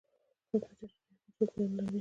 کمپیوټر ته ډیر کتل زیان لري